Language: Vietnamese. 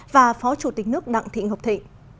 và phó chủ tịch nước đặng thị ngọc thị